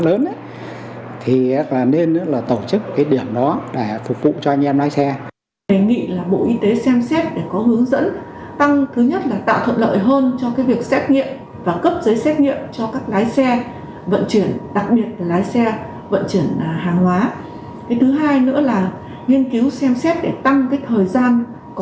cái thứ hai nữa là nghiên cứu xem xét để tăng thời gian có hiệu lực của giấy xét nghiệm